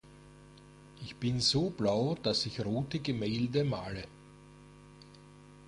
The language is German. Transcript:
Ich bin so blau, dass ich rote Gemälde male.